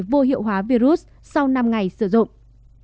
vô hiệu hóa virus sau năm ngày sử dụng